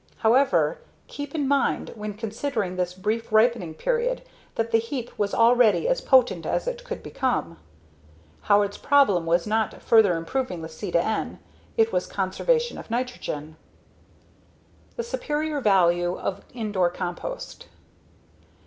However, keep in mind when considering this brief ripening period that the heap was already as potent as it could become. Howard's problem was not further improving the C/N, it was conservation of nitrogen. The Superior Value of Indore Compost.